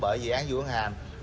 bởi dự án dụ án hàm